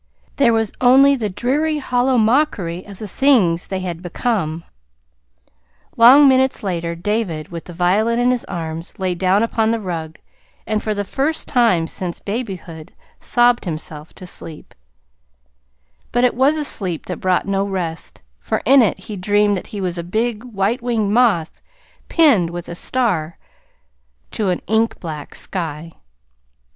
There was only the dreary, hollow mockery of the Things they had Become. Long minutes later, David, with the violin in his arms, lay down upon the rug, and, for the first time since babyhood, sobbed himself to sleep but it was a sleep that brought no rest; for in it he dreamed that he was a big, white winged moth pinned with a star to an ink black sky.